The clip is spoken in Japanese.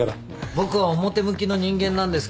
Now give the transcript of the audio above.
僕は表向きの人間なんですけど。